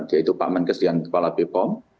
yaitu pak menkas dan kepala bepom